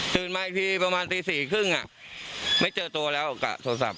ตื่นมาอีกทีประมาณตีสี่ครึ่งอะไม่เจอตัวแล้วกับโทรศัพท์